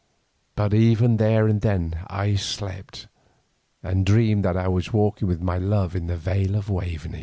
But even there and then I slept and dreamed that I was walking with my love in the vale of Waveney.